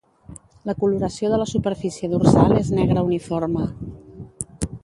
La coloració de la superfície dorsal és negre uniforme.